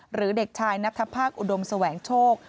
เด็กชายนัทภาคอุดมแสวงโชค